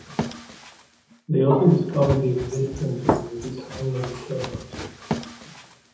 They also discovered the existence of the Titanian Eternals.